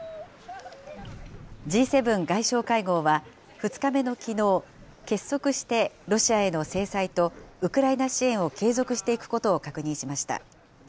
Ｇ７外相会合は、２日目のきのう、結束してロシアへの制裁と、ウクライナ支援を継続していくことを確認しました。